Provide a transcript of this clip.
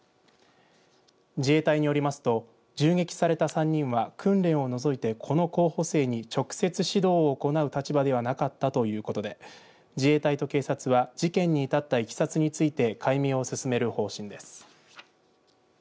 自衛隊によりますと銃撃された３人は訓練を除いてこの候補生に直接指導を行う立場ではなかったということで自衛隊と警察は事件に至ったいきさつについて解明を進める方針です。